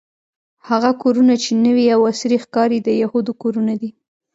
هغه کورونه چې نوې او عصري ښکاري د یهودو کورونه دي.